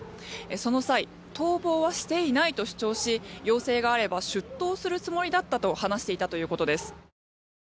その際逃亡はしていないと主張し要請があれば出頭するつもりだったと話していたということです。